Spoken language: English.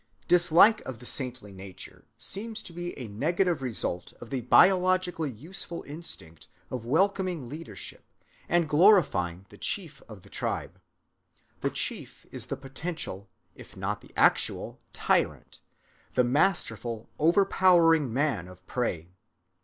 Dislike of the saintly nature seems to be a negative result of the biologically useful instinct of welcoming leadership, and glorifying the chief of the tribe. The chief is the potential, if not the actual tyrant, the masterful, overpowering man of prey.